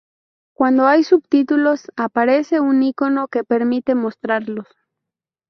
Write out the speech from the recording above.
Cuando hay subtítulos, aparece un icono que permite mostrarlos.